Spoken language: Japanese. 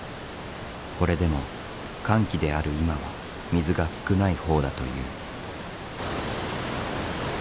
これでも乾季である今は水が少ない方だという。